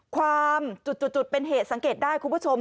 ความจุดเป็นเหตุสังเกตได้คุณผู้ชม